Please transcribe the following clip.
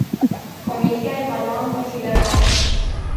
Comisia le va lua în considerare.